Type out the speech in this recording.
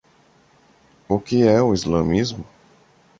O que é o islamismo?